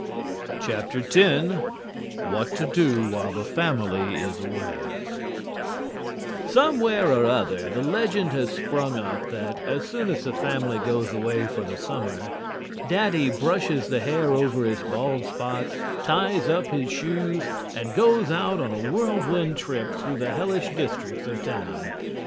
X WHAT TO DO WHILE THE FAMILY IS AWAY Somewhere or other the legend has sprung up that, as soon as the family goes away for the summer, Daddy brushes the hair over his bald spot, ties up his shoes, and goes out on a whirlwind trip through the hellish districts of town.